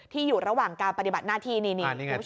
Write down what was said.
อยู่ระหว่างการปฏิบัติหน้าที่นี่คุณผู้ชม